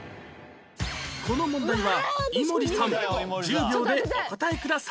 この問題は井森さん１０秒でお答えください